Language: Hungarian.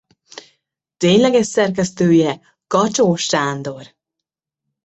Tényleges szerkesztője Kacsó Sándor.